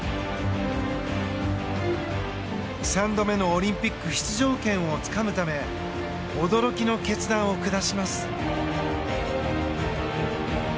３度目のオリンピック出場権をつかむため驚きの決断を下します。